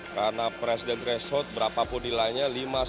karena presidensial threshold berapapun nilainya lima sepuluh lima belas dua puluh